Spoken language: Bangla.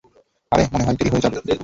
আরে-- মনে হয়, দেরি হয়ে যাবে।